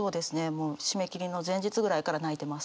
もう締め切りの前日ぐらいから泣いてます。